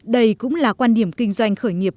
đây cũng là quan điểm kinh doanh khởi nghiệp